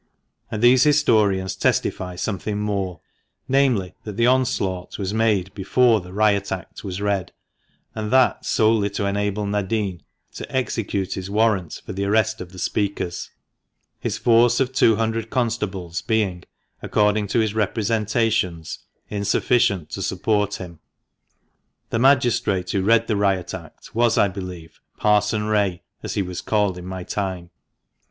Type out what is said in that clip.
And these historians testify something more, namely, that the onslaught was made before the Riot Act was read, and that solely to enable Nadin to execute his warrant for the arrest of the speakers, his force of 200 constables being (according to his representations) insufficient to support him. The Magistrate who read the Riot Act was, I believe, Parson Wray, as he was called in my time.